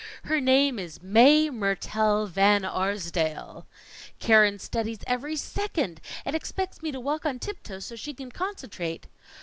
"Her name is Mae Mertelle Van Arsdale." "Keren studies every second; and expects me to walk on tiptoe so she can concentrate."